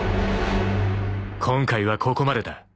［今回はここまでだ］